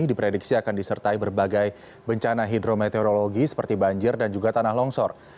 diprediksi akan disertai berbagai bencana hidrometeorologi seperti banjir dan juga tanah longsor